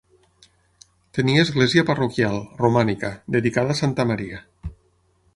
Tenia església parroquial, romànica, dedicada a santa Maria.